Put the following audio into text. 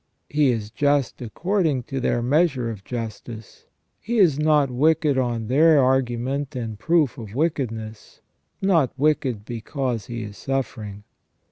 He is just according to their measure of justice. He is not wicked on their argument and proof of wickedness, not wicked because he is suffering.